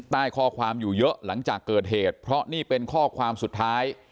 ข้อความอยู่เยอะหลังจากเกิดเหตุเพราะนี่เป็นข้อความสุดท้าย